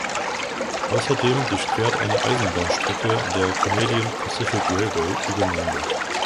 Außerdem durchquert eine Eisenbahnstrecke der Canadian Pacific Railway die Gemeinde.